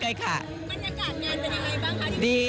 บรรยากาศงานเป็นยังไงบ้างคะที่ดี